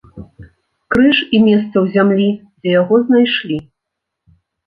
Крыж і месца ў зямлі, дзе яго знайшлі.